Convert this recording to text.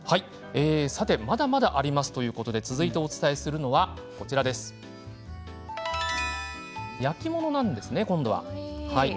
まだまだありますということで続いてお伝えするのは焼き物なんですね、今度は。